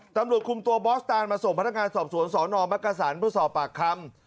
ตำรวจคุมตัวบอสตานมาส่งพนักงานสอบสวนสนมักกษันเพื่อสอบปากคำ